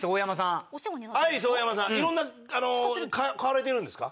いろんなあの買われてるんですか？